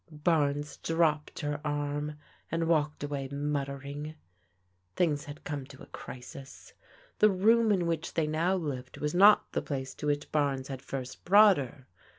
Barnes dropped her arm and walked away muttering. Things had come to a crisis. The room in which they now lived was not the place to which Barnes had first brought her.